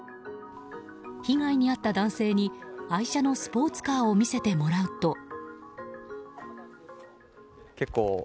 被害に遭った男性に愛車のスポーツカーを見せてもらうと。